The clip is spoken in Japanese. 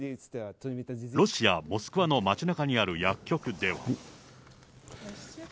ロシア・モスクワの街なかにある薬局では。